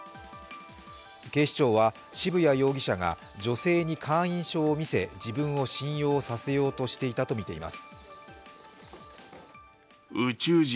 警視庁は渋谷容疑者が女性に会員証を見せ自分を信用させようとしたとみています。